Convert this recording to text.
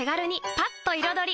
パッと彩り！